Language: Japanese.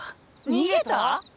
逃げた？